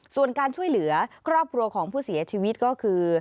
ส่วนการช่วยเหลือครอบครัวของผู้เสียชีวิตก็คือ